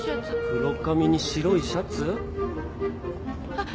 黒髪に白いシャツ？あっ。